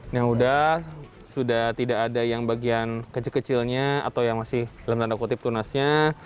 yang udah sudah tidak ada yang bagian kecil kecilnya atau yang masih dalam tanda kutip tunasnya